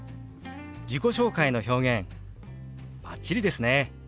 自己紹介の表現バッチリですね！